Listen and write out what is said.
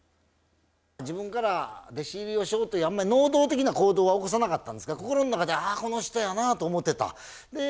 自分から弟子入りをしようと能動的な行動を起こさなかったんですけど心の中でああ、あの人やなと思ってた。